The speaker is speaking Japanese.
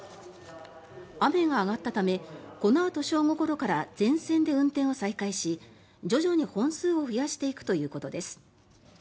雨が上がったためこのあと正午ごろから全線で運転を再開し徐々に本数を増やしていくということです。